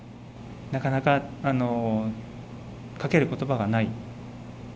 なかなか、かけることばがない。